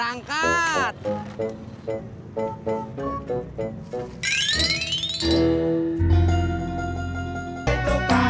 bang ada majalah wanita ga